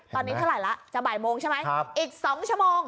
ตอนนี้เท่าไหร่แล้วจะบ่ายโมงใช่ไหมอีก๒ชั่วโมง